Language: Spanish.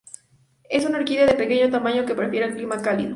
Es una orquídea de pequeño tamaño que prefiere el clima cálido.